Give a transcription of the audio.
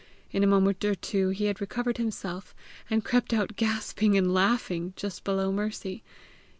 In a moment or two he had recovered himself, and crept out gasping and laughing, just below Mercy.